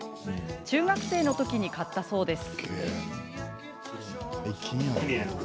中学生の時に買ったそうです。